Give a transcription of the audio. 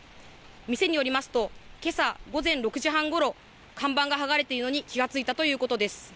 店によりますと、けさ午前６時半ごろ、看板が剥がれているのに気が付いたということです。